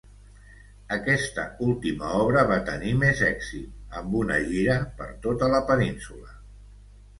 Aquesta última obra va tenir més èxit –amb una gira per tota la península–.